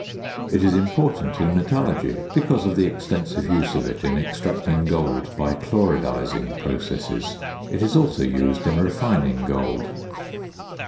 It is important in metallurgy, because of the extensive use of it in extracting gold by "chloridising" processes. It is also used in refining gold.